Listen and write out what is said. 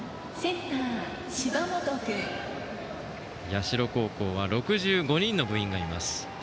社高校は、６５人の部員がいます。